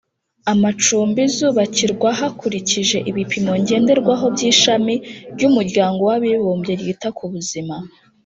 amacumbi zubakirwa hakurikije ibipimo ngenderwaho by Ishami ry Umuryango w Abibumbye ryita kubuzima